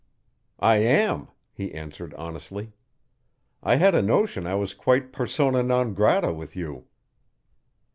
"I am," he answered honestly. "I had a notion I was quite persona non grata with you."